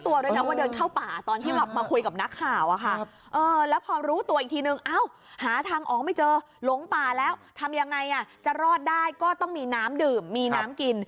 วันไหนจะรอดได้ก็ต้องมีน้ำดื่มมีน้ำกลิ่น